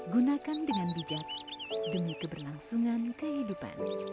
gunakan dengan bijak demi keberlangsungan kehidupan